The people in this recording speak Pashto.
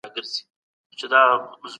زه د حقونو د پوره کولو مسؤل یم.